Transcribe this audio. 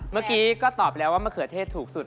เมื่อกี้ก็ตอบแล้วว่ามะเขือเทศถูกสุด